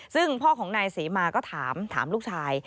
ซึ่งพ่อของนายเสมาก็ถามลูกชาย